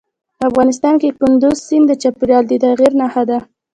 افغانستان کې کندز سیند د چاپېریال د تغیر نښه ده.